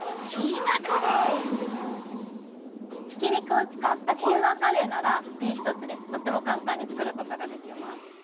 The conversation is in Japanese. ひき肉を使ったキーマカレーならびん１つでとっても簡単に作ることができます。